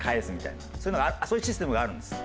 そういうシステムがあるんです。